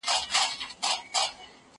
زه کولای سم وخت ونیسم!